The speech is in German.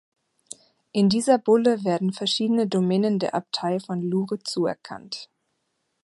In dieser Bulle werden verschiedene Domänen der Abtei von Lure zuerkannt.